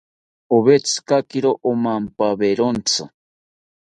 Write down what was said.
Awetzikakiro omampawerontzi